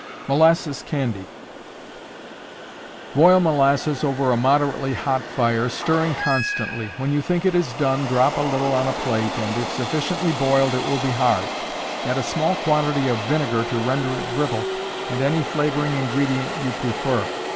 Molasses Candy. Boil molasses over a moderately hot fire, stirring constantly. When you think it is done, drop a little on a plate, and if sufficiently boiled it will be hard. Add a small quantity of vinegar to render it brittle and any flavoring ingredient you prefer.